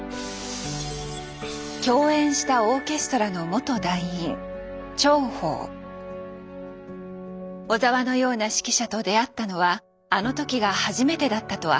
共演したオーケストラの元団員小澤のような指揮者と出会ったのはあの時が初めてだったと明かします。